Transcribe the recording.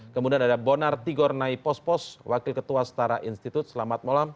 kemudian ada bonar tigornai pospos wakil ketua setara institute selamat malam